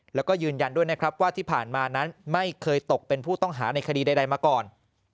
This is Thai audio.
แล้วก็ยืนยันด้วยนะครับว่าที่ผ่านมานั้นไม่เคยตกเป็นผู้ต้องหาในคดีใดมาก่อน